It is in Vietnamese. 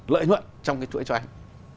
lợi nhuận trong cái chuỗi cho anh